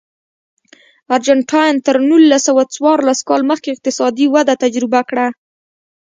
ارجنټاین تر نولس سوه څوارلس کال مخکې اقتصادي وده تجربه کړه.